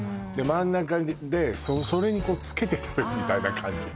真ん中でそれにこうつけて食べるみたいな感じ